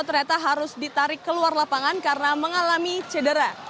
ternyata harus ditarik keluar lapangan karena mengalami cedera